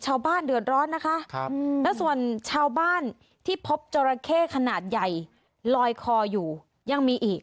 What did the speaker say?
ชาวบ้านเดือดร้อนนะคะแล้วส่วนชาวบ้านที่พบจราเข้ขนาดใหญ่ลอยคออยู่ยังมีอีก